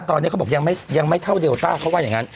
ตอนนี้เขาบอกยังไม่เท่าเดลต้าเขาว่าอย่างนั้น